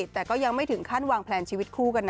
แต่ก็ยังไม่ถึงขั้นวางแพลนชีวิตคู่กันนะ